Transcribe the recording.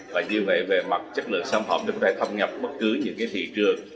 và như vậy về mặt chất lượng sản phẩm chúng ta thâm nhập bất cứ những cái thị trường